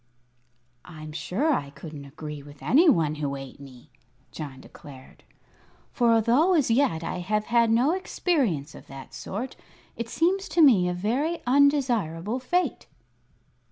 "I'm sure I couldn't agree with any one who ate me," John declared. "For, although as yet I have had no experience of that sort, it seems to me a very undesirable fate."